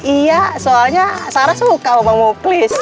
iya soalnya sarah suka sama muklis